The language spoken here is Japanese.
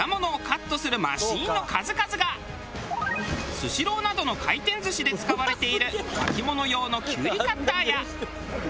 スシローなどの回転寿司で使われている巻き物用のきゅうりカッターや。